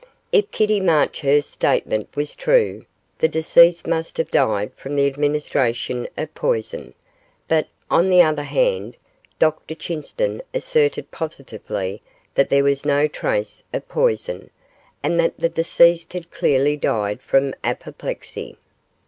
If Kitty Marchurst's statement was true, the deceased must have died from the administration of poison; but, on the other hand, Dr Chinston asserted positively that there was no trace of poison, and that the deceased had clearly died from apoplexy.